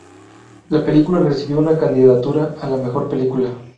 La película recibió una candidatura a la mejor película.